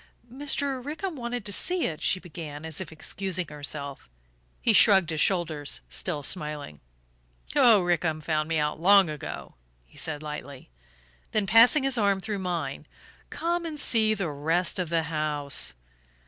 "Mr. Rickham wanted to see it," she began, as if excusing herself. He shrugged his shoulders, still smiling. "Oh, Rickham found me out long ago," he said lightly; then, passing his arm through mine: "Come and see the rest of the house."